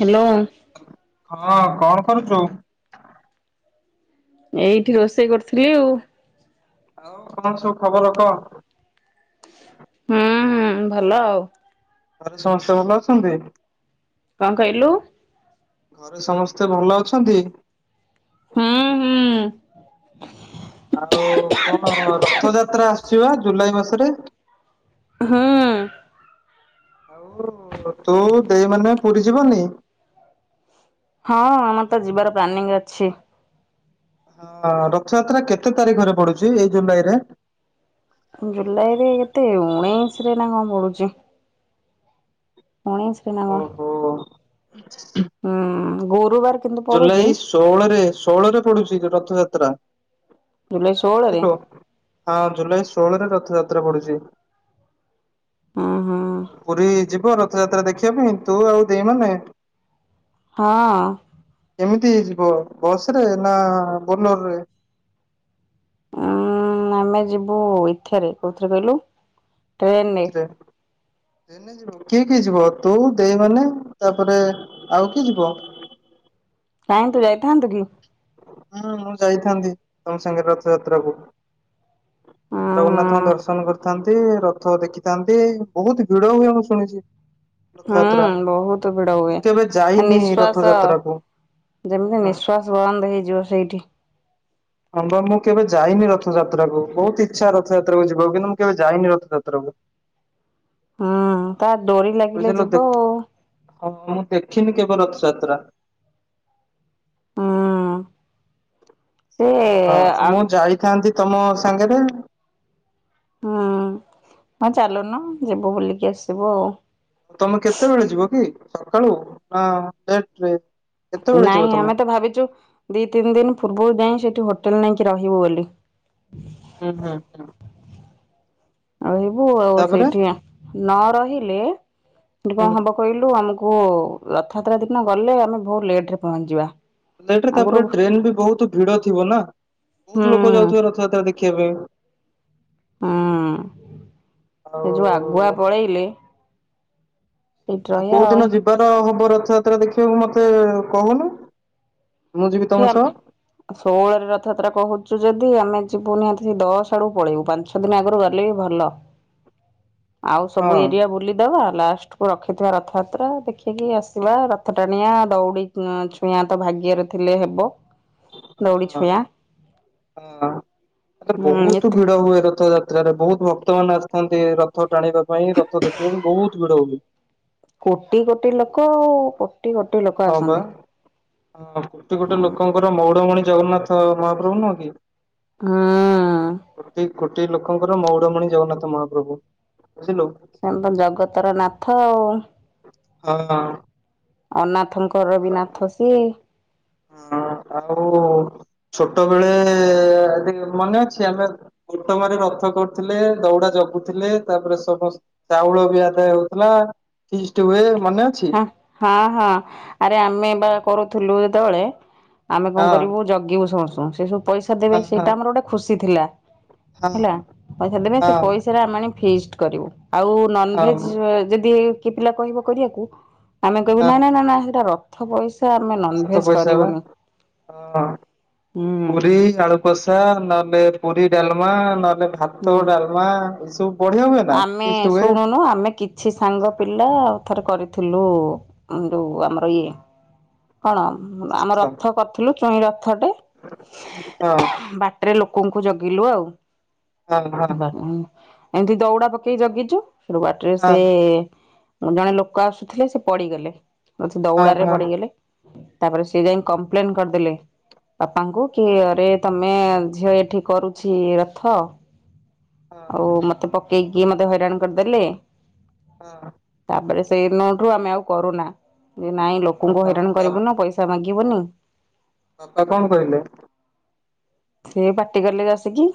Hello. ହଁ କଣ କରୁଛୁ? ଏଇଠି ରୋଷେଇ କରୁଥିଲି ଆଉ। ଆଉ କଣ ସବୁ ଖବର କହ? ହୁଁ ହୁଁ ଭଲ ଆଉ। ଘରେ ସମସ୍ତେ ଭଲ ଅଛନ୍ତି? କଣ କହିଲୁ? ଘରେ ସମସ୍ତେ ଭଲ ଅଛନ୍ତି? ହୁଁ ହୁଁ? ଆଉ କଣ ରଥଯାତ୍ରା ଆସୁଛିପା ଜୁଲାଇ ମାସରେ? ହୁଁ। ଆଉ ତୁ ଦେଇମାନେ ପୁରୀ ଯିବୁନି ହଁ ଆମର ତ ଯିବାର ପ୍ଲାଇଂ ଅଛି। ହଁ ରଥଯାତ୍ରା କେତେ ତାରିଖରେ ପଡୁଛି ଏଇ ଜୁଲାଇରେ। ଜୁଲାଇରେ କେତେ ଉଣେଇଶରେ ନା କଣ ପଡୁଛି। ଉଣେଇଶୀ ନା କଣ? ଓହୋ। ହୁଁ ଗୁରୁବାର କିନ୍ତୁ ପଡୁଛି ଜୁଲାଇ ଷୋହଳରେ ଷୋହଳରେ ପଡୁଛି କି ରଥଯାତ୍ରା। ଜୁଲାଇ ଷୋହଳରେ ବୁଝିଲୁ ହଁ ଜୁଲାଇ ଷୋହଳରେ ରଥଯାତ୍ରା ପଡୁଛି। ହୁଁ ହୁଁ ପୁରୀ ଯିବ ରଥ ରଥଯାତ୍ରା ଦେଖିବା ପାଇଁ ତୁ ଆଉ ଦେଇମାନେ। ହଁ। କେମିତି ଯିବ ବସରେ ନା ବୋଲରରେ। ଉଁ ଉଁ ଉଁ ଆମେ ଯିବୁ ଏଥରେ କୋଉଥିରେ କହିଲୁ ଟ୍ରେନରେ। କୋଉଥିରେ? ଟ୍ରେନରେ ଯିବ କିଏ କିଏ ଯିବ ତୁ ଦେଇମାନେ ତାପରେ ଆଉ କିଏ ଯିବ? କାହିଁ ତୁ ଯାଇଥାନ୍ତୁ କି? ହୁଁ ମୁଁ ଯାଇଥାନ୍ତି ତମସାଙ୍ଗରେ ରଥଯାତ୍ରା କୁ। ଜଗନ୍ନାଥଙ୍କ ଉଁ ଦର୍ଶନ କରୀ ଆସିଥାନ୍ତି ରଥ ଦେଖିଥାନ୍ତି ବହୁତ ଭିଡ ହୁଏ ମୁଁ ଶୁଣିଛି। ରଥଯାତ୍ରା ହୁଁ ବହୁତ ଭିଡ ହୁଏ। ମୁଁ କେବେ ଯାଇନି ନିଶ୍ଵାସ ରଥଯାତ୍ରା କୁ। ଯେମିତି ନିଃଶ୍ଵାସ ବନ୍ଦ ହେଇଯିବ ସେଇଠି। ହବା ମୁଁ କେବେ ଯାଇନି ରଥଯାତ୍ରା କୁ ବହୁତ ଇଚ୍ଛା ରଥଯାତ୍ରାକୁ ଯିବାକୁ କିନ୍ତୁ ମୁଁ କେବେ ଯାଇନି ରଥଯାତ୍ରା କୁ। ହୁଁ ତା ଡୋରି ଲାଗିଲେ ବୁଝିଲୁ ଦେଖ ଯିବଆଉ। ହଁ ମୁଁ ଦେଖିନି କେବେ ରଥଯାତ୍ରା। ହୁଁ। ସେ ହଁ ଆ ମୁଁ ଯାଇଥାନ୍ତି ତମ ସାଙ୍ଗରେ ହୁଁ ହଁ ଚାଲୁନୁ ଯିବୁ ବୁଲିକି ଆସିବୁ ଆଉ। ତମେ କେତେବେଳେ ଯିବ କି ସକାଳୁ ହଁ ଟ୍ରେନରେ। ନାଇଁ ଆମେ ତ ଭାବିଛୁ ଦିଇ ତିନି ଦିନ ପୂର୍ବରୁ ଯାଇ ସେଠି ହୋଟ ହୋଟେଲ ନେଇ କି ରହିବୁ ବୋଲି। ହୁଁ ହୁଁ ହୁଁ। ରହିବୁ ଆଉ ତାପରେ ସେଇଠି ନ ରହିଲେ ଏଠି କଣ ହୁଁ ହବ କହିଲୁ ଆମକୁ। ଓହୋ ରଥଯାତ୍ରା ଦିନ ଗଲେ ଆମେ ବହୁତ ଲେଟରେ ପହଞ୍ଚିଯିବା। ଲେଟରେ ତାପରେ ଟ୍ରେନ ବି ବହୁତ ଭିଡ ଥିବ ନା। ବହୁତ ଲୋକ ହୁଁ। ଯାଉଥିବେ ରଥଯାତ୍ରା ଦେଖିବା ପାଇଁ। ହୁଁ ଏଯୋଉ ଆଗୁଆ ଆଉ ପଳେଇଲେ ସେଇଠି ରହିବା ଆଉ କୋଉଦିନ ଯିବାର ହବ ରଥଯାତ୍ରା ଦେଖିବାକୁ ମତେ କହୁନୁ। ମୁଁ ଯିବି ତମ ସେ ସହ ଆମେ ଷୋହଳରେ ରଥଯାତ୍ରା କହୁଛୁ ଯଦି ଆମେ ଯିବୁ ନିହାତି ସେ ଦଶ ଆଡୁ ପଳେଇବୁ ପାଞ୍ଚଛଅଦିନ ଆଗରୁ ଗଲେ ବି ଭଲ। ଆଉ ହଁ ସବୁ ଏରିଆ ବୁଲିଦେବା ଲାଷ୍ଟେ ଲାଷ୍ଟେ କୁ ରଖିଥିବା ରଥଯାତ୍ରା ଦେଖିକି ଆସିବା ରଥ ଟାଣିଆ ଦଉଡ଼ି ଛୁଇଁବା ଭାଗ୍ୟରେ ଥିଲେ ହେବ ଦଉଡ଼ି ହଁ ଛୁଇଁୟା। ହଁ ବହୁତ ଭିଡ ହୁଏ ରଥଯାତ୍ରାରେ ବହୁତ ଭକ୍ତ ମାନ ଆସିଥାନ୍ତି ରଥ ଟାଣିବା ପାଇଁ ରଥ ଦେଖିବା ବହୁତ ଭିଡ ହୁଏ। କୋଟି କୋଟି ଲୋକ ଆଉ କୋଟି କୋଟି ଲୋକ ହଁ ବା ଆସନ୍ତି। ହଁ କୋଟି କୋଟି ଲୋକଙ୍କର ମଉଡ ମଣି ଜଗନ୍ନାଥ ମହାପ୍ରଭୁ ନୁହଁ ହୁଁ କୋଟି କୋଟି ଲୋକଙ୍କର ମଉଡମଣି ଜଗନ୍ନାଥ ମହାପ୍ରଭୁ। ବୁଝିଲୁ ହଁ। ସେ ଜଗତର ନାଥ ଆଉ। ହଁ। ଅନାଥଙ୍କର ବି ନାଥ ସିଏ ହଁ ଆଉ ଛୋଟବେଳେ ମନେ ଅଛି ଆମେ ଅଟ ମାର ରଥ କରୁଥିଲେ ଦଉଡା ଜଗୁଥିଲେ ତାପରେ ସମସ୍ତ ଚାଉଳ ବି ଆଦାୟ ହେଉଥିଲା। ଫିଷ୍ଟି ହୁଏ। ମନେ ଅଛି ହଁ ହଁ ଆରେ ଆମେ ବା କରୁଥିଲୁ ଯେତେବେଳେ ଆମେ କଣ ହଁ କରିବୁ ଜଗିବୁ ସମସ୍ତୁ ସେ ସବୁ ପଇସା ଦେବେ ହଁ ସେଇଟା ଆମର ହଁ ଗୋଟେ ଖୁସି ଥିଲା। ହେଲା ପଇସା ଦେବେ ସେ ହଁ ପଇସା ଟା ଆମେ କରିବୁ ଆଉ ହଁ ହଁ। ନନଭେଜ ଯଦି କିଏ ପିଲା କହିବ କରିବାକୁ ଆମେ କହିବୁ ନାଇଁ ହଁ ନାଇଁ ନା ସେଟା ରଥ ପଇସା ଆମେ ରଥ ନନଭେଜ ପଇସା ହେଲା କରିବୁନି ହଁ। ହୁଁ ପୁରୀ ଆଳୁ ପୋଷା ନହେଲେ ପୁରୀ ଡାଲମା ନହ ହୁଁ। ଭାତ ଡାଲମା ଏସବୁ ବଢିଆ ହୁଏ ନା ଆମେ ହୁଏ। ଆଉ ଥରେ କରିଥିଲୁ ଯୋଉ ଆମର ଇଏ କଣ ଆମେ ରଥ କରିଥିଲୁ ଚୁଇଁ ରଥଟେ ହଁ ବାଟରେ ଲୋକ କୁଙ୍କୁ ଜଗିଲୁ ଆଉ ହଁ ହଁ ଏମିତି ଦଉଡା ପକେଇକି ଜଗିଛୁ। ସେ ବାଟରେ ହଁ ସେ ଜଣେ ଲୋକ ଆସୁଥିଲେ ସେ ପଡିଗଲେ। ଦୌଡ଼ାରେ ହଁ ପଡିଗଲେ ତାପରେ ସେ ଯାଇ କମ୍ପ୍ଲେନ କରିଦେଲେ। ବାପାଙ୍କୁ କି ଅରେ ତମେ ଝିଅ ଏଠି କରୁଛି ରଥ। ଆଉ ମତେ ପକେଇକି ମତେ ହଇରାଣ କରିଦେଲେ। ହଁ। ତାପରେ ସେଇ ନୋଟୁ ଆମେ ଆଉ କରୁନା ଯେ ନାଇଁ ଲୋକଙ୍କୁ ହଇରାଣ ହଁ କରିବୁନ ପଇସା ମାଗିବୁନି ବାପା କଣ କହିଲେ? ସେଏ ପାଟି କଲେ ଆସିକି।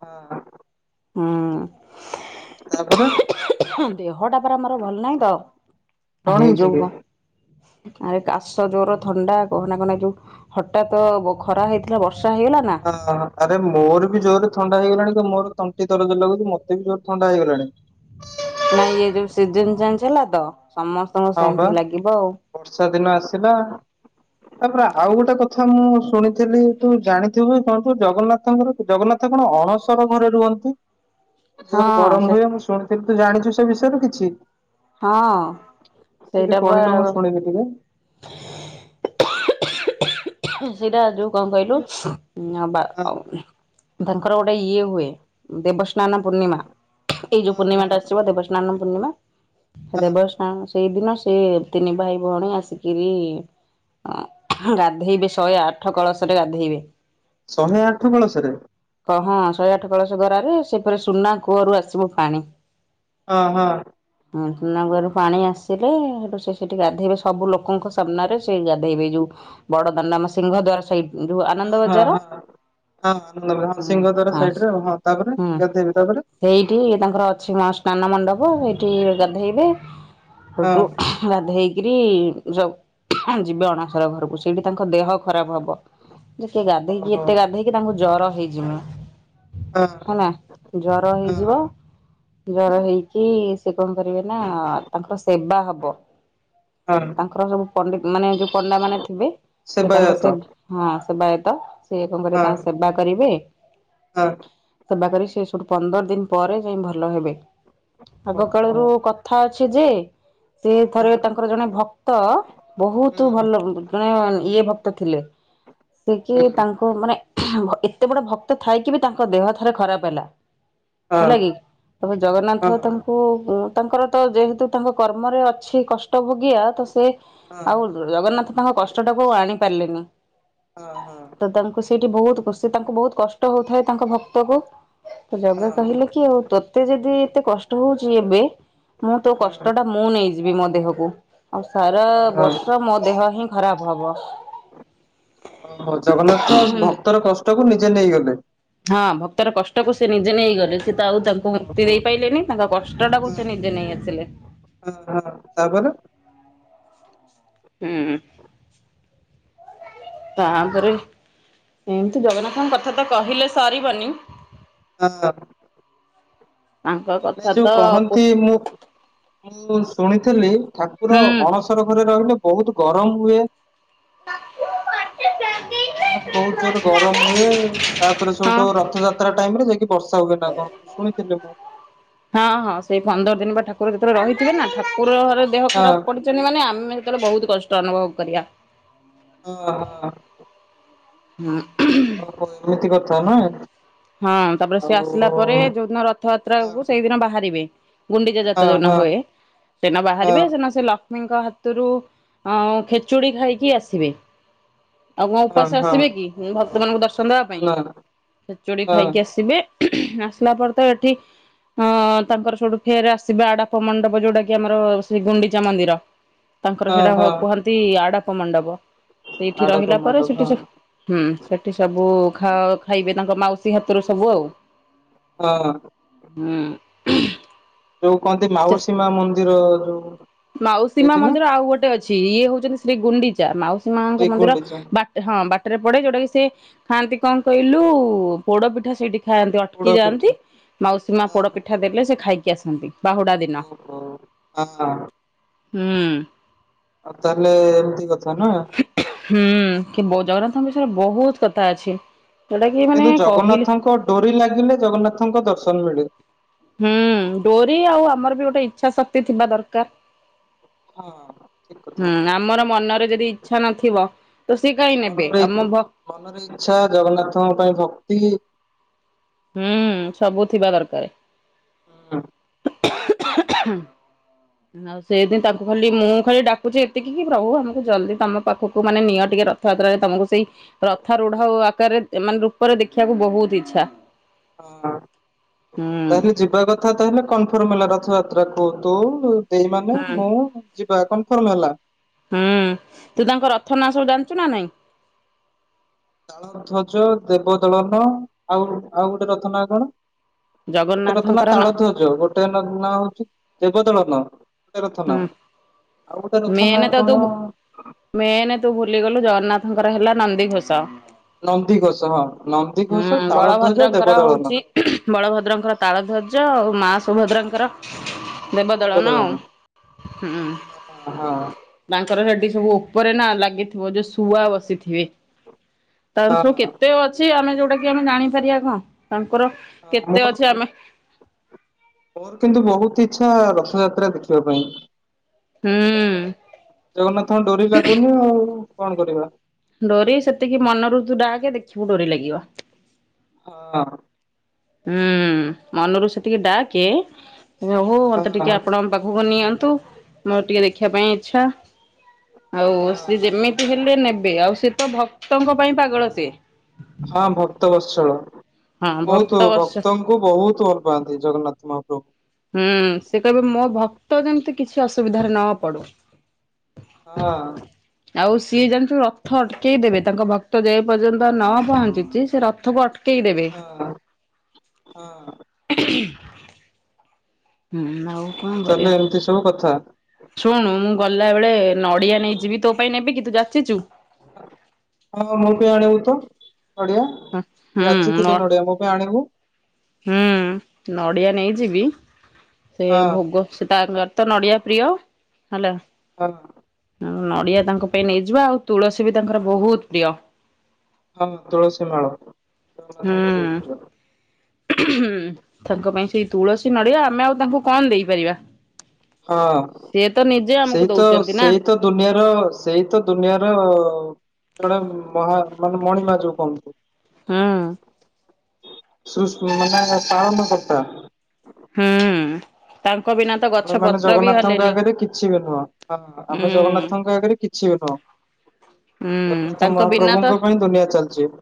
ହଁ ହୁଁ। ତା ପରେ ଦେହଟା ପରା ଆମର ଭଲ ନାହିଁ ତ କଣ ହେଇଛି ହେଇଯାଉ କି କ ଆରେ କାଶ ଜୋର ଥଣ୍ଡା ଗହନା କହନା ଯୋଉ ହଠାତ ଖରା ହେଇଥିଲା ବର୍ଷା। ହେଇଗଲା ନା ଅ ଆରେ ମୋର ବି ଜୋରରେ ଥଣ୍ଡା ହେଇଗଲାଣି। ମୋର ତଣ୍ଟି ଦରଜ ଲାଗୁଛି ମତେ ବି ଜୋର ଥଣ୍ଡା ହେଇଗଲାଣି। ନାଇଁ ଇଏ ଯୋଉ ସିଜିନ୍ ଚେଞ୍ଜ୍ ହେଲା ତ। ସମସ୍ତଙ୍କୁ ହଁ ବା ସେମିତି ଲାଗିବ ଆଉ ବର୍ଷା ଦିନ ଆସିଲା। ତାପରେ ଆଉ ଗୋଟେ କଥା ମୁଁ ଶୁଣିଥିଲି ତୁ ଜାଣିଥିବୁ ଶୁଣଛୁ ଜଗନ୍ନାଥଙ୍କର ଜଗନ୍ନାଥ କଣ ଅଣସର ଘରେ ରୁହନ୍ତି। ହଁ ଗରମ ସେ ହୁଏ ମୁଁ ଶୁଣିଥିଲି ତୁ ଜାଣିଛୁ ସେ ବିଷୟରେ କିଛି? ହଁ। ଟିକେ ସେଇଟା ବା କହିଲ ମୁ ଶୁଣିବି ଟିକେ। ସେଇଟା ଯୋଉ କଣ କହିଲୁ। ହଁ ତାଙ୍କର ଗୋଟେ ଇଏ ହୁଏ ଦେବସ୍ ସ୍ନାନ ହଁ ପୂର୍ଣ୍ଣିମା ଏଇ ଯୋଉ ପୂର୍ଣ୍ଣିମା ହଁ ଟା ହଁ ଆସିବ ଦେବସ୍ନାନ ପୂର୍ଣ୍ଣିମା ହଁ ଦେବସ୍ନାନ ସେଇଦିନ ସେ ତିନି ଭାଇ ଭଉଣୀ ଆସି ଗାଧେଇବେ ଶହେ ଆଠ କଳସରେ ଗାଧେଇବେ। ଶହେ ଆଠ କଳସରେ। ହଁ ଶହେ ଆଠ କଳସ ଗରାରେ ସେଇ ପୁରା ସୁନା କୂଅରୁ ଆସିବ ପାଣି। ଅଁ ହଁ। ମିତୁନାରୁ ପାଣି ଆସିଲେ ସେ ସେଠି ଗାଧେଇବେ ସବୁ ଲୋକ। ଲୋକଙ୍କ ସାମ୍ନାରେ ସେଇ ଗାଧେଇବେ ଯୋଉ ବଡ ଦାଣ୍ଡ ଆମ ସିଂହ ଦ୍ଵାରା ସେଇ ରୁ ଆନନ୍ଦ ହଁ ହଁ ବଜାର। ହଁ ହଁ ଆନ ହଁ ହୁଁ ସିଂହ ଦ୍ୱାର ହଁ ସାଇଡ ରେ ହଁ ତାପରେ ହୁଁ। ଗାଧେଇବେ ତାପରେ ସେଇଠି ତାଙ୍କର ଅଛି ମାଷ୍ଟ ସ୍ନାନ ମଣ୍ଡପ ଏଇଠି ଗାଧେଇବେ ହଁ ହଁ ହେଟୁ ଗାଧେଇକିରି। ଯବ ଯିବେ ଅଣସର ଘରକୁ ସେଇଠି ତାଙ୍କ ତାଙ୍କ ଦେହ ଖରାପ ହବ ଯେ କିଏ ଗାଧେଇକି ଓହୋ ଏତେ ଗାଧେଇକି ତାଙ୍କୁ ଜର ହେଇଯିବ। ହଁ ହେଲା ଜର ହଁ ହେଇଯିବ ଜର ହେଇକି ସେ କଣ କରିବେ ନା ତାଙ୍କର ସେବା ହବ। ହଁ ତାଙ୍କର ସବୁ ପଣ୍ଡ ମାନେ ଯୋଉ ପଣ୍ଡା ମାନେ ଥିବେ ସେ ତାଙ୍କ ସେ ସେବାୟତ ସେବାୟତ। ସେ କଣ କରିବେ ହଁ ତାଙ୍କ ସେବା କରିବେ ହଁ ସେବା କରି ସେ ସଠୁ ପନ୍ଦର ଦିନ ପରେ ଯାଇ ଭଲ ହେବେ ଆଗ ଓହୋ କାଳରୁ କଥା ଅ ଅ ଯେ ସେ ହଁ ଥରେ ତାଙ୍କର ଜଣେ ଭକ୍ତ ବହୁତ ହୁଁ ଭଲ ଜଣେ ଇଏ ଭକ୍ତ ଥିଲେ ସେ କି ହୁଁ ତାଙ୍କୁ ମାନେ ଏତେ ବଡ ଭକ୍ତ ଥାଇକି ବି ତାଙ୍କ ଦେହ ଥରେ ଖରାପ ହେଲା। ହେଲା କି ତାପରେ ହଁ ଜଗନ୍ନାଥ ହଁ ତାଙ୍କୁ ତାଙ୍କର ତ ଯେହେତୁ ତାଙ୍କ କର୍ମରେ ଅଛି କଷ୍ଟ ଭୋଗିଆ ତ ସେ ହଁ ଆଉ ଜଗନ୍ନାଥ ତାଙ୍କ କଷ୍ଟ ଟାକୁ ଆଣି ପାରିଲେନି। ହଁ ହଁ। ତ ତାଙ୍କୁ ସେଇଠି ବହୁତ [unintelligible] ତାଙ୍କୁ ବହୁତ କଷ୍ଟ ହଉଥାଏ। ତାଙ୍କ ଭକ୍ତ କୁ ଜଗା ହଁ କହିଲେ କି ଆଉ ତୋତେ ଯଦି ଏତେ କଷ୍ଟ ହଉଛି ଏବେ ମୁଁ ତୋ ହଁ କଷ୍ଟ ଟା ମୁଁ ନେଇ ଯିବି ମୋ ଦେହକୁ ଆଉ ସାରା ହଁ ବର୍ଷ ମୋ ଦେହ ହିଁ ଖରାପ ହବ। ଓହୋ ଜଗନ୍ନାଥ ଭକ୍ତର କଷ୍ଟ କୁ ନିଜେ ନେଇଗଲେ। ହଁ ଭକ୍ତର କଷ୍ଟକୁ ସେ ନିଜେ ନେଇ ଗଲେ ସେ ଆଉ ତାଙ୍କୁ ମୁକ୍ତି ଓହୋ ଦେଇ ପାଇଲେନି ତାଙ୍କ କଷ୍ଟ ଟାକୁ ହଁ ସେ ନିଜେ ନେଇ ଆସିଲେ। ହଁ ତାପରେ ହୁଁ। ତାପରେ ଏମିତି ଜଗନ୍ନାଥଙ୍କ କଥା ତ କହିଲେ ସରିବନି। ହଁ। ତାଙ୍କ ନାଇଁ କଥା ତ ଯୋଉ ପୁ କହନ୍ତି ମୁଁ ମୁଁ ଶୁଣିଥିଲି ଠାକୁର ହୁଁ। ହଁ ଅଣସର ଘରେ ରହିଲେ ବହୁତ ଗରମ ହୁଏ। ନ ବହୁତ ଜୋରେ ଗରମ ହୁଏ ତାପରେ ସୋଉଟୁ ରଥ ଯାତ୍ରା ଟାଇମରେ ଯାଇକି ବର୍ଷା ହୁଏ ନା କଣ ଶୁଣିଥିଲି ମୁଁ। ହଁ ହଁ ସେଇ ପନ୍ଦର ଦିନ ବା ଠାକୁର ଯେତେବେଳେ ରହିଥିବେ ନା ଠାକୁର ଘର ଦେହ ହଁ ଖରାପ ପଡିଛନ୍ତି ମାନେ ଆମେ ସେତେବେଳେ ବହୁତ କଷ୍ଟ ଅନୁଭବ କରିବା। ହଁ ହଁ। ହୁଁ। ଓ ହୋ ଏମିତି କଥା ନା। ହଁ ତାପରେ ଆଉ ସିଏ ଆସିଲା ପରେ ଯୋଉଦିନ ହଁ ରଥଯାତ୍ରାକୁ ସେଇଦିନ ବାହାରିବେ। ଗୁଣ୍ଡିଚା ଯାତ ହଁ ଯୋଉ ଦିନ ହଁ ହୁଏ, ସେଇ ଦିନ ହଁ ବାହାରିବେ ସେ ଦିନ ସେ ଲ ଲକ୍ଷ୍ମୀଙ୍କ ହାତରୁ ଖେଚୁଡି ଖାଇକି ଆସିବେ। ଆଉ କଣ ହଁ ଉପାସ ହଁ ଆସିବେ କି ଭକ୍ତ ମାନଙ୍କୁ ଦର୍ଶନ ଦବା ପାଇଁ ନା ଖେଚୁଡି ହଁ ଖାଇକି ଆସିବେ। ଆସିଲା ପରେ ତ ଏଠି ଅଁ ତାଙ୍କର ସୋଉଟୁ ଫେରେ ଆସିବେ ଆଡପ ମଣ୍ଡପ ଯୋଉଟା କି ଆମର ଶ୍ରୀ ଗୁଣ୍ଡିଚା ମନ୍ଦିର। ତାଙ୍କର ହଁ ସେଇଟା ହଁ କୁହନ୍ତି ଆଡପ ମଣ୍ଡପ। ସେଇଠି ଆଡ଼ପ ରହିଲା ପରେ ମଣ୍ଡପ ସେଠି ସେ ହଁ ହୁଁ ସେଠି ସବୁ ଖାଅ ଖାଇବେ। ତାଙ୍କ ମାଉସୀ ହାତରୁ ସବୁ ଆଉ। ହଁ। ହୁଁ। ଯୋଉ କହନ୍ତି ସେ ମାଉସୀ ମା ମନ୍ଦିର ଯୋଉ ମାଉସୀ ମା ସେଇଠି ନା ମନ୍ଦିର ଆଉ ଗୋଟେ ଅଛି ଇଏ ହଉଛନ୍ତି ଶ୍ରୀ ଗୁଣ୍ଡିଚା ମାଉସୀ ମାଙ୍କ ଶ୍ରୀ ମନ୍ଦିର ଗୁଣ୍ଡିଚା ବାଟରେ ହଁ ବାଟରେ ପଡେ ଯୋଉଟା କି ସେ ଖାଆନ୍ତି କଣ କହିଲୁ ପୋଡ ପିଠା ସେଇଠି ଖାଆନ୍ତି ଅଟକି ପୋଡ଼ ପିଠା ଯାଆନ୍ତି ମାଉସୀ ମା ହଁ ପୋଡପିଠା ଦେଲେ ସେ ଖାଇକି ଆସନ୍ତି। ବାହୁଡା ଦିନ ଓହୋ ହଁ। ହୁଁ। ଆଉ ତାହେଲେ ଏମିତି କଥା ନା ହୁଁ, କି ବ ଜଗନ୍ନାଥଙ୍କ ବିଷୟ ରେ ବହୁତ କ ଥା ଅଛି। ଯୋଉଟା କି ମାନେ କିନ୍ତୁ କହିଲେ ଜଗନ୍ନାଥଙ୍କ ଡୋରି ଲାଗିଲେ ଜଗନ୍ନାଥଙ୍କ ଦର୍ଶନ ମିଳେ। ହୁଁ ଡୋରି ଆଉ ଆମର ବି ଗୋଟେ ଇଚ୍ଛା ଶକ୍ତି ଥିବା ଦରକାର। ହଁ ଠିକ କଥା ହୁଁ, ଆମର ମନରେ ଯଦି ଇଚ୍ଛା ନଥିବ ତ ସିଏ କାହିଁ ନେବେ ମନରେ ଆମ ଭ ମନରେ ଇଚ୍ଛା, ଜଗନ୍ନାଥଙ୍କ ପାଇଁ ଭକ୍ତି ହୁଁ ସବୁ ଥିବା ଦରକାର। ହୁଁ। [unintelligible] ଆଉ ସେଦିନ ତାଙ୍କୁ ଖାଲି ମୁଁ ଖାଲି ଡାକୁଛି ଏତିକି କି ପ୍ରଭୁ ଆମକୁ ଜଲ୍ଦି ତମ ପାଖକୁ ମାନେ ନିଅଟି ରଥଯାତ୍ରାରେ ତମକୁ ସେଇ ରଥାରୁଢ ଆକାରରେ ମାନେ ରୂପରେ ଦେଖିବାକୁ ବହୁତ ଇଚ୍ଛା। ହଁ ହୁଁ ତାହେଲେ ଯିବା କଥା ତାହେଲେ କନଫର୍ମ ହେଲା ରଥଯା [unintelligible] କୁ ତୁ, ଦେଇ ମାନେ, ହୁଁ ମୁଁ ଯିବା କନଫର୍ମ ହେଲା। ହୁଁ, ତୁ ତାଙ୍କ ରଥ ନା ସବୁ ଜାଣିଛୁ ନା ନାଇଁ? ତାଳ ଧ୍ୱଜ, ଦେବ ଦଳନ, ଆଉ ଆଉ ଗୋଟେ ରଥ ନା କଣ? ଗୋଟେ ରଥ ନା ତାଳ ଧ୍ୱଜ, ଗୋଟେ ନ ନାଁ ହଉଛି ଦେବ ଦଳନ। [unintelligible] ରଥ ନା? ହୁଁ ଆଉ ଗୋଟେ ରଥ ନା ମେନ୍ ତ କଣ? ତୁ, ଭୁ ମେନ୍ ତୁ ଭୁଲିଗଲୁ ଜଗନ୍ନାଥଙ୍କ ର ହେଲା ନନ୍ଦିଘୋଷ। ନନ୍ଦିଘୋଷ ହଁ ନନ୍ଦିଘୋଷ ହଁ ତାଳଧ୍ୱଜ ବଳଭଦ୍ରଙ୍କର ଦେବଦଳନ ହେଉଛି, ବଳଭଦ୍ରଙ୍କର ତାଳ ଧ୍ୱଜ ଆଉ ମା ସୁଭଦ୍ରାଙ୍କର ଦେବଦଳନ ଆଉ। ହଁ ହଁ। ର ସେଠି ସବୁ ଉପରେ ନା ଲାଗିଥିବ ଯୋଉ ଶୁଆ ବସିଥିବେ। ତ ଏମିତି ସବୁ ହଁ। କେତେ ଅଛି ଆମେ ଯୋଉଟା କି ଆମେ ଜାଣିପାରିବା କଣ। ତାଙ୍କର ହଁ କେତେ ମୋର ଅଛି, ଆମେ ମୋର କିନ୍ତୁ ବହୁତ ଇଚ୍ଛା ରଥଯାତ୍ରା ଦେଖିବା ପାଇଁ। ହୁଁ ଜଗନ୍ନାଥଙ୍କ ଡୋରି ଲାଗୁନି ଆଉ କଣ କରିବା। ଠୁଁ [unintelligible] ଡୋରି ଲାଗିବ। ହଁ। ହୁଁ ମନରୁ ସେତିକି ଡାକେ ହୋ ହଁ ମତେ ଟିକେ ଆପଣଙ୍କ ପାଖକୁ ନିଅନ୍ତୁ ମୋର ଟିକେ ଦେଖିବା ପାଇଁ ଇଚ୍ଛା। ହଉ ସେ ହଁ। ଯେମିତି ହେଲେ ନେବେ ଆଉ ସେ ତ ଭକ୍ତଙ୍କ ପାଇଁ ପାଗଳ ସେ ହଁ ଭକ୍ତ ବତ୍ସଳ ହଁ ଭକ୍ତ ବହୁତ ବର୍ଷ ଭକ୍ତଙ୍କୁ ବହୁତ ଭଲ ପାଆନ୍ତି ଜଗନ୍ନାଥ ମହାପ୍ରଭୁ। ତ ଯେମିତି କିଛି ଅସୁବିଧାରେ ନ ପଡୁ। ହଁ। ଆଉ ସିଏ ଜାଣିଛୁ ରଥ ଅଟକେଇ ଦେବେ ତାଙ୍କ ଭକ୍ତ ଯେ ପର୍ଯ୍ୟନ୍ତ ନ ପହଞ୍ଚିଛି, ସେ ରଥକୁ ଅଟ କେଇ ଦେବେ। ହଁ ହଁ ହୁଁ କଣ ଆଉ କରିବା। ତାହେଲେ ଏମିତି ସବୁ କଥା। ଶୁଣୁ ମୁଁ ଗଲା ବେଳେ ନଡିଆ ନେଇଯିବି, ତୋ ପାଇଁ ନେବି କି ତୁ ଯାଚିଛୁ? ହଁ ମୋ ପାଇଁ ଆଣିବୁ ତ। ନଡିଆ, ହଁ ମୁ ହୁଁ ନ ଯାଚଥିଲି ନଡ଼ିଆ, ମୋ ପାଇଁ ଆଣିବୁ। ହୁଁ ନଡିଆ ନେଇଯିବି, ସେ ହଁ ଭୋଗ, ସେ ତାଙ୍କର ତ ନଡ଼ିଆ ପ୍ରିୟ, ହେଲା ହଁ। ନଡିଆ ତାଙ୍କ ପାଇଁ ନେଇଯିବା ଆଉ ତୁଳସୀ ବି ତାଙ୍କର ବହୁତ ପ୍ରିୟ। ହଁ ତୁଳସୀ ମାଳାରେ ବହୁତ ହଁ ତାଙ୍କ ପାଇଁ ସେଇ ତୁଳସୀ ନଡିଆ, ଆମେ ଆଉ ତାଙ୍କୁ କଣ ଦେଇପାରିବା। ହଁ ସିଏ ତ ନିଜେ ଆମକୁ ସେଇ ତ ଦଉଛନ୍ତି ନା ସେଇ ତ ଦୁନିଆର ସେଇ ତ ଦୁନିଆର ଜଣେ ମହା ମାନେ ମଣିମା ଯୋଉଁ କୁହନ୍ତି। ହଁ। [unintelligible] ହ୍ନୁ। ଆମେ ମାନେ ଜଗନ୍ନାଥଙ୍କ ଆଗରେ କିଛି ବି ନୁହଁ। ଆମେ ଆମେ ହୁଁ ଜଗନ୍ନାଥଙ୍କ ଆଗରେ କିଛି ବି ନୁହଁ [inaudible] ହୁଁ ଜଗନ୍ନାଥ ତାଙ୍କ ବିନା ତ ମହାପ୍ରଭୁଙ୍କ ପାଇଁ ଦୁନିଆଁ ଚାଲିଛି।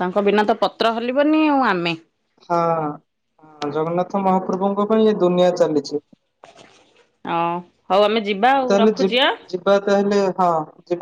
ତାଙ୍କ ବିନା ତ ପତ୍ର ହଲିବନି ଆଉ ଆମେ ହଁ ହଁ ଜଗନ୍ନାଥ ମହାପ୍ରଭୁଙ୍କ ପାଇଁ ଏ ଦୁନିଆଁ ଚାଲିଚି। ହଁ ହଉ ଆମେ ଯିବା ଆଉ ତାହେଲେ ରଖୁଛି ଆଁ। ଯିବା ତାହେଲେ ହଁ ଯିବା।